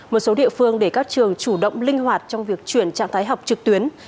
một số địa phương để các trường chủ động linh hoạt trong việc chuyển trạng thái học trực tuyến